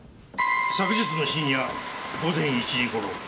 昨日の深夜午前１時頃。